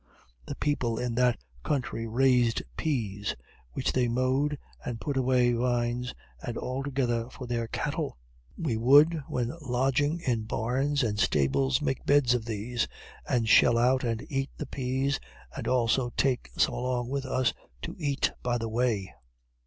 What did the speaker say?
The people in that country raised peas, which they mowed and put away vines and all together for their cattle. We would, when lodging in barns and stables, make beds of these, and shell out and eat the peas, and also take some along with us to eat by the way.